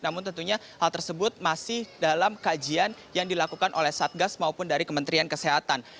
namun tentunya hal tersebut masih dalam kajian yang dilakukan oleh satgas maupun dari kementerian kesehatan